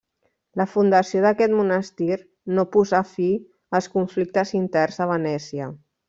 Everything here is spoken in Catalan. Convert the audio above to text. La fundació d'aquest monestir no posà fi als conflictes interns de Venècia.